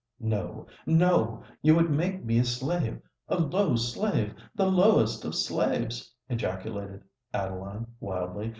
"No—no! You would make me a slave—a low slave—the lowest of slaves!" ejaculated Adeline, wildly.